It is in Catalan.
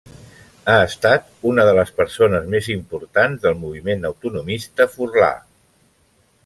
Ha estat una de les persones més importants del moviment autonomista furlà.